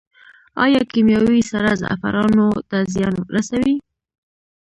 آیا کیمیاوي سره زعفرانو ته زیان رسوي؟